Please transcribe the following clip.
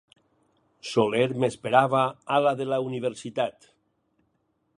Soler m’esperava a la de la Universitat.